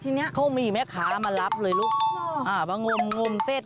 ทีนี้เขามีแม่ค้ามารับเลยลุ้มว่าง่มเฟ็ด